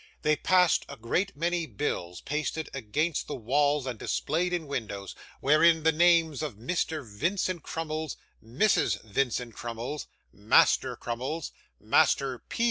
They passed a great many bills, pasted against the walls and displayed in windows, wherein the names of Mr. Vincent Crummles, Mrs. Vincent Crummles, Master Crummles, Master P.